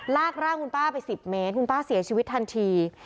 ลากร่างคุณป้าไป๑๐เมตรคุณป้าเสียชีวิตทันที